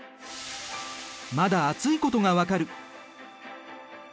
まだ熱いことが分かる。